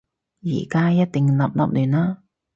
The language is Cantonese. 而家一定立立亂啦